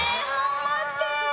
待って。